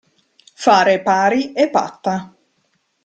Fare pari e patta.